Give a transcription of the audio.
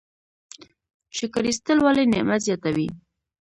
شکر ایستل ولې نعمت زیاتوي؟